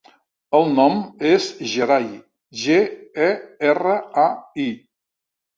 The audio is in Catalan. El nom és Gerai: ge, e, erra, a, i.